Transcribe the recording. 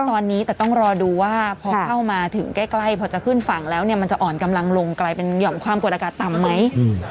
ตอนนี้แต่ต้องรอดูว่าพอเข้ามาถึงใกล้พอจะขึ้นฝั่งแล้วเนี่ยมันจะอ่อนกำลังลงกลายเป็นหย่อมความกดอากาศต่ำไหม